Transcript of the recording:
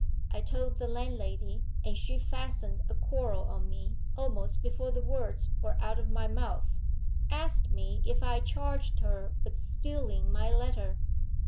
I told the landlady, and she fastened a quarrel on me almost before the words were out of my mouth. Asked me if I charged her with stealing my letter.